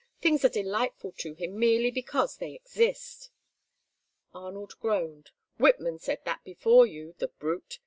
Things are delightful to him merely because they exist." Arnold groaned. "Whitman said that before you, the brute.